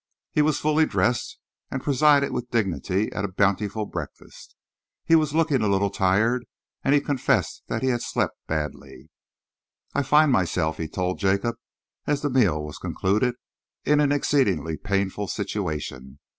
He was fully dressed and presided with dignity at a bountiful breakfast. He was looking a little tired, and he confessed that he had slept badly. "I find myself," he told Jacob, as the meal was concluded, "in an exceedingly painful situation.